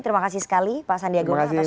terima kasih sekali pak sandiaga uno atas